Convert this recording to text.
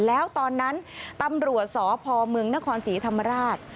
แล้วตอนนั้นตำรวจสพเมืองนครศรีธรรมราช